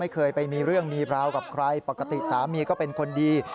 เคยไปมีเรื่องมีราวกับใครปกติสามีก็เป็นคนดี